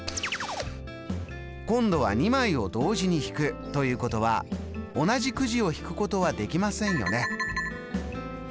今度は２枚を同時に引くということは同じくじを引くことはできませんよね。